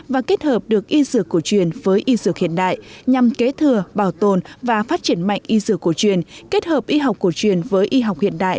và kết hợp được y dược cổ truyền với y dược hiện đại nhằm kế thừa bảo tồn và phát triển mạnh y dược cổ truyền kết hợp y học cổ truyền với y học hiện đại